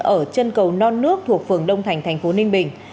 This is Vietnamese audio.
ở chân cầu non nước thuộc phường đông thành thành phố ninh bình